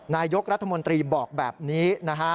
นายกรัฐมนตรีบอกแบบนี้นะฮะ